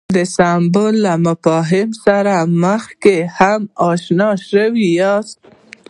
د سمبول له مفهوم سره مخکې هم اشنا شوي یاست.